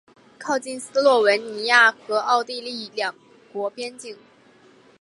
靠近斯洛文尼亚和奥地利两国边境。